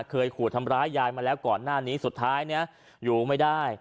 เคยขู่ทำร้ายยายมาแล้วก่อนหน้านี้สุดท้ายเนี่ยอยู่ไม่ได้